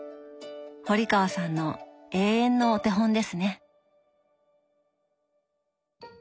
堀川さんの永遠のお手本ですね。